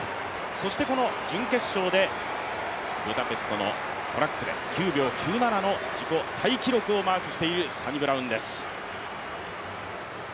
そしてこの準決勝でブダペストのトラックで９秒９７の自己タイ記録をマークしているサニブラウンです。